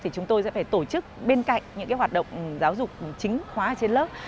thì chúng tôi sẽ phải tổ chức bên cạnh những hoạt động giáo dục chính khóa trên lớp